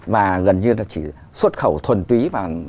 và gần như là chỉ xuất khẩu thuần túy và thương mại thôi